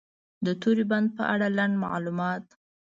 د توری بند په اړه لنډ معلومات: